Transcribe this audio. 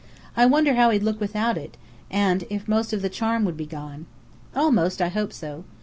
I wonder how he'd look without it, and if most of the charm would be gone? Almost, I hope so.